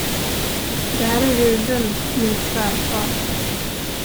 Det här är Ruben, min svärfar.